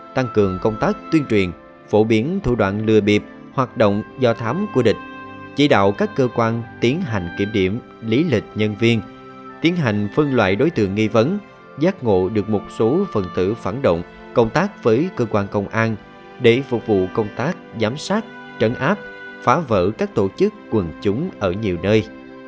tăng cường công tác tuyên truyền phổ biến thủ đoạn lừa biệp hoạt động do thám của địch chỉ đạo các cơ quan tiến hành kiểm điểm lý lịch nhân viên tiến hành phân loại đối tượng nghi vấn giác ngộ được một số phần tử phản động công tác với cơ quan công an để phục vụ công tác giám sát trấn áp phá vỡ các tổ chức quần chúng ở nhiều nơi